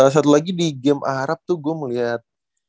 satu lagi di game arab tuh gue ngeliat